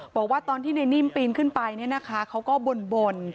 บอกว่าตอนที่ในนิ่มปีนขึ้นไปเขาก็บ่น